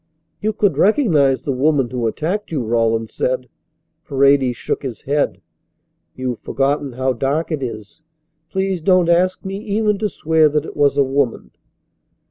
"You could recognize the woman who attacked you?" Rawlins said. Paredes shook his head. "You've forgotten how dark it is. Please don't ask me even to swear that it was a woman."